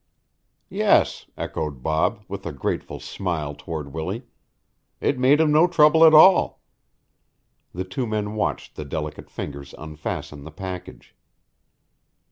"Yes," echoed Bob, with a grateful smile toward Willie. "It made him no trouble at all." The two men watched the delicate fingers unfasten the package.